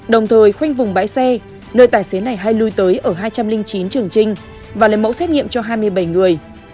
đồng thời khoanh vùng bãi xe nơi tài xế này hay lui tới ở hai trăm linh chín trường trinh và lấy mẫu xét nghiệm cho hai mươi bảy người